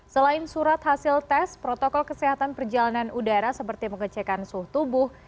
selain surat hasil tes protokol kesehatan perjalanan udara seperti mengecekan suhu tubuh